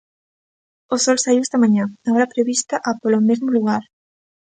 O sol saíu esta mañá, á hora prevista a polo mesmo lugar.